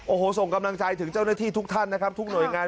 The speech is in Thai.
โอ้โหส่งกำลังใจถึงเจ้าหน้าที่ทุกท่านนะครับทุกหน่วยงาน